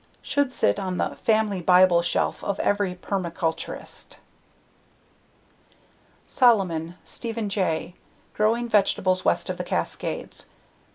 Should sit on the "family bible shelf" of every permaculturalist. Solomon, Stephen J. _Growing Vegetables West of the Cascades.